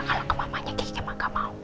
kalau ke mamanya gigi emang gak mau